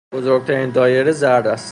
بزرگترین دایره زرد است.